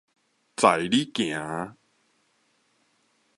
在你行